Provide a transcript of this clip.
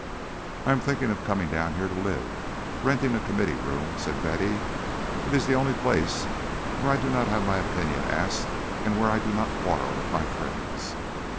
"I am thinking of coming down here to live, renting a Committee Room," said Betty. "It is the only place where I do not have my opinion asked and where I do not quarrel with my friends.